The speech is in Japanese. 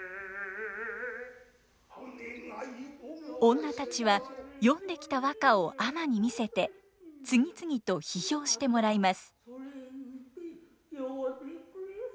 女たちは詠んできた和歌を尼に見せて次々と批評してもらいます。